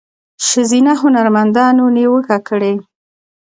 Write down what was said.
ښځینه هنرمندانو نیوکه کړې